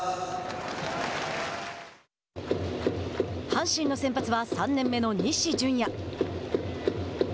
阪神の先発は３年目の西純矢。